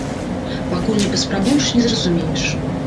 Пакуль не паспрабуеш, не зразумееш.